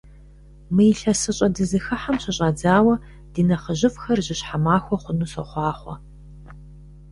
Мы илъэсыщӀэ дызыхыхьэм щыщӀэдзауэ ди нэхъыжьыфӀхэр жьыщхьэ махуэ хъуну сохъуахъуэ!